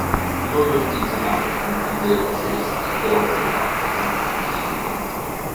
Il loro artigianato comprendeva cesti e opere fatte con conchiglie.